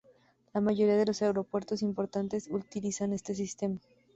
La mayoría de los aeropuertos importantes utilizan este sistema.